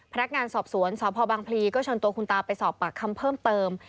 พนักงานสอบสวนสพบังพลีก็เชิญตัวคุณตาไปสอบปากคำเพิ่มเติม